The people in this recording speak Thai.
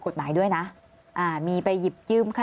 ก็คลิปออกมาแบบนี้เลยว่ามีอาวุธปืนแน่นอน